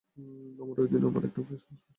আর ঐদিন আমার একটা ফ্যাশান শো ছিলো।